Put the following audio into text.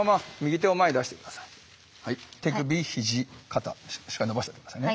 手首肘肩しっかり伸ばしておいて下さいね。